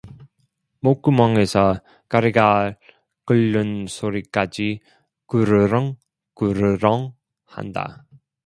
목구멍에서 가래가 끓는 소리까지 그르렁그르렁 한다.